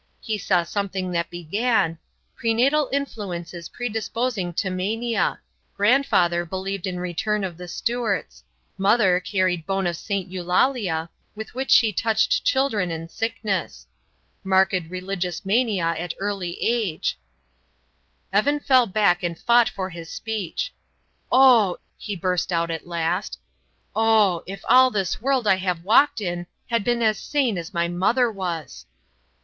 He saw something that began: "Prenatal influences predisposing to mania. Grandfather believed in return of the Stuarts. Mother carried bone of St. Eulalia with which she touched children in sickness. Marked religious mania at early age " Evan fell back and fought for his speech. "Oh!" he burst out at last. "Oh! if all this world I have walked in had been as sane as my mother was."